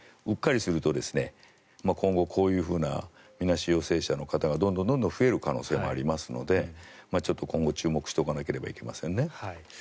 うっかりすると今後こういうみなし陽性者の方がどんどん増える可能性もありますのでちょっと今後、注目しなければいけませんね。